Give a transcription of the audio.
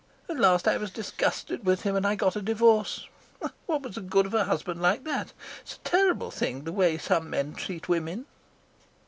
At last I was disgusted with him, and I got a divorce. What was the good of a husband like that? It's a terrible thing the way some men treat women."